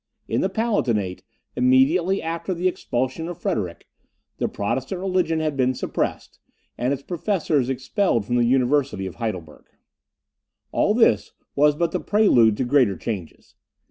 In the Palatinate, immediately after the expulsion of Frederick, the Protestant religion had been suppressed, and its professors expelled from the University of Heidelberg. All this was but the prelude to greater changes.